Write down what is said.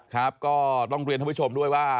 ครับก็ต้องเรียนท่านผู้ชมด้วยว่า